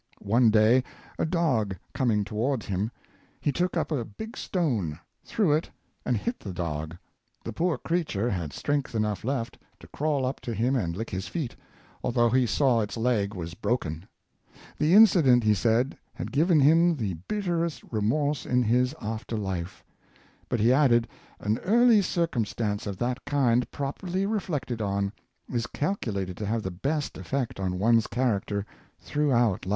One day, a dog coming towards him, he took up a big stone, threw it, and hit the dog. The poor creature had strength enough left to crawl up to him and lick his feet, although he saw its leg was broken. The incident, he said, had given him the bit terest remorse in his after life; but he added, "an early circumstance of that kind, properly reflected on, is calcu lated to have the best effect on one's character through out Hfe."